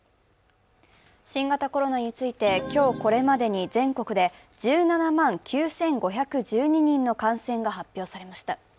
新型コロナについて、今日これまでに全国で１７万９５１２人の感染が発表されました。